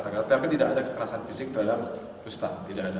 tapi tidak ada kekerasan fisik dalam ustan